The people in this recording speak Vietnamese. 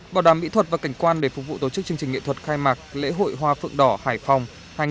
bảo đảm mỹ thuật và cảnh quan để phục vụ tổ chức chương trình nghệ thuật khai mạc lễ hội hoa phượng đỏ hải phòng hai nghìn một mươi chín